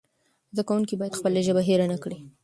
زده کوونکي باید خپله ژبه هېره نه کړي.